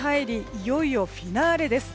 いよいよフィナーレです。